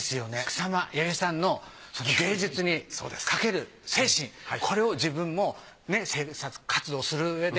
草間彌生さんのその芸術にかける精神これを自分も制作活動するうえで。